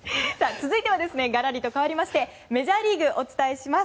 続いては、がらりとかわりましてメジャーリーグをお伝えしていきます。